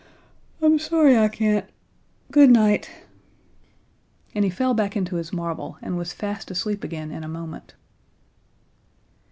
I'm sorry I can't good night." And he fell back into his marble and was fast asleep again in a moment.